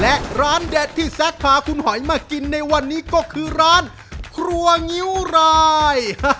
และร้านเด็ดที่แซคพาคุณหอยมากินในวันนี้ก็คือร้านครัวงิ้วราย